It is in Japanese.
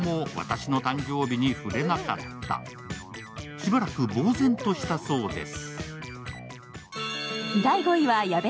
しばらくぼう然としたそうです。